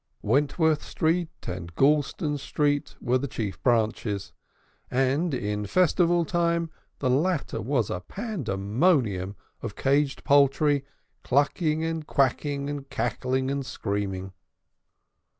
Wentworth Street and Goulston Street were the chief branches, and in festival times the latter was a pandemonium of caged poultry, clucking and quacking and cackling and screaming.